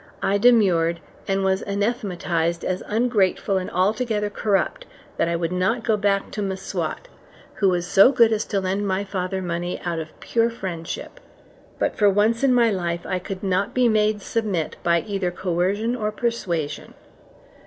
I demurred, and was anathematized as ungrateful and altogether corrupt, that I would not go back to M'Swat, who was so good as to lend my father money out of pure friendship; but for once in my life I could not be made submit by either coercion or persuasion.